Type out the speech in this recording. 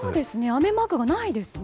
雨マークがないですね。